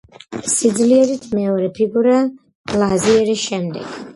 სიძლიერით მეორე ფიგურა ლაზიერის შემდეგ.